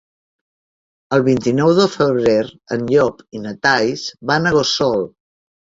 El vint-i-nou de febrer en Llop i na Thaís van a Gósol.